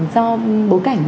do bối cảnh